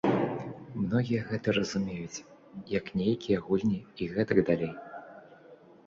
Многія гэта разумеюць, як нейкія гульні і гэтак далей.